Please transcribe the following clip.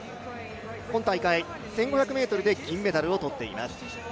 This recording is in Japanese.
今大会、１５００ｍで銀メダルを取っています。